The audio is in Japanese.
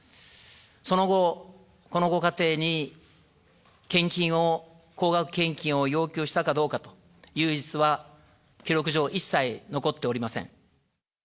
その後、このご家庭に献金を、高額献金を要求したかどうかという事実は、記録上、一切残っておりません。